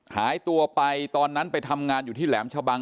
หายตัวไปตอนนั้นไปทำงานอยู่ที่แหลมชะบัง